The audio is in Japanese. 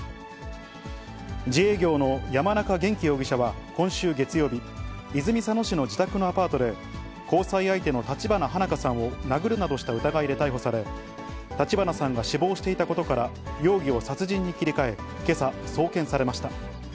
自営業の山中元稀容疑者は今週月曜日、泉佐野市の自宅のアパートで、交際相手の立花花華さんを殴るなどした疑いで逮捕され、立花さんが死亡していたことから、容疑を殺人に切り替え、けさ、送検されました。